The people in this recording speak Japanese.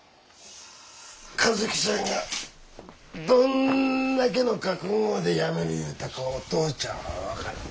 和希ちゃんがどんだけの覚悟でやめる言うたかお父ちゃんは分かる。